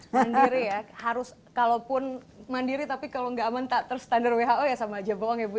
mandiri ya harus kalaupun mandiri tapi kalau nggak aman tak terstandar who ya sama aja bohong ya bu